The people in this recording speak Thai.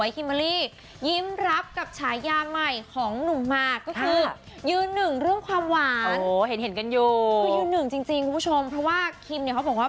ถึงจริงคุณผู้ชมเพราะว่าคิมเนี้ยเขาบอกว่า